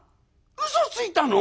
「うそついたの？